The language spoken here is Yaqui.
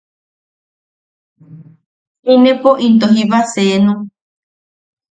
–inepo into jiba “seenu”.